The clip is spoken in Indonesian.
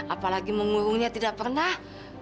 apalagi mengurungnya tidak pernah